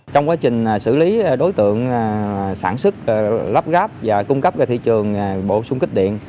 trong quá trình xử lý đối tượng sản xuất lắp ráp và cung cấp cho thị trường bộ xung kích điện